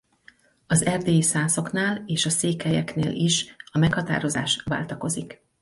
Az erdélyi szászoknál és a székelyeknél is a meghatározás váltakozik.